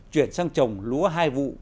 chuyển sang trồng lúa hai vụ